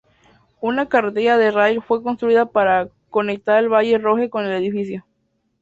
Una carretilla de raíl fue construida para conectar el valle Rogue con el edificio.